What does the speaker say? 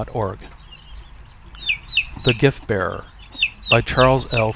net The Gift Bearer By CHARLES L.